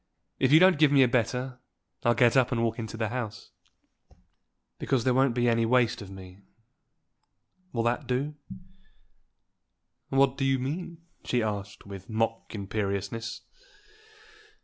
If you don't give me a better, I'll get up and walk into the house." "Because there won't be any waste of me. Will that do?" "What do you mean?" she asked, with mock imperiousness.